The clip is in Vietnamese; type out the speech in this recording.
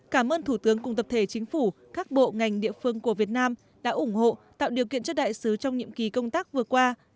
cảm ơn thủ tướng cùng tập thể chính phủ các bộ ngành địa phương của việt nam đã ủng hộ tạo điều kiện cho đại sứ trong nhiệm kỳ công tác vừa qua